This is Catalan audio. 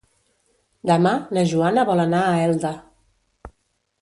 Demà na Joana vol anar a Elda.